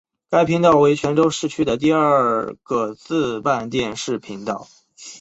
该频道为泉州市区第二个自办电视频道。